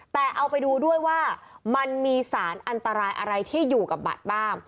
แต่เอาไปดูด้วยว่ามันมีสารอันตรายอะไรที่อยู่กับบัตรบ้าง